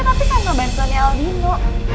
tapi karena bantuan aldino